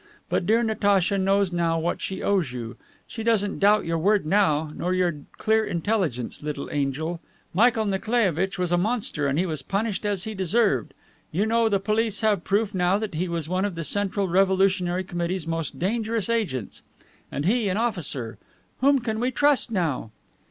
But dear Natacha knows now what she owes you. She doesn't doubt your word now, nor your clear intelligence, little angel. Michael Nikolaievitch was a monster and he was punished as he deserved. You know the police have proof now that he was one of the Central Revolutionary Committee's most dangerous agents. And he an officer! Whom can we trust now!"